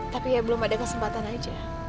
tapi ya belum ada kesempatan aja